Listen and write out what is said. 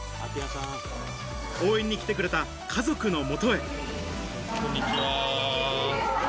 応援に来てくれた家族のもとへ。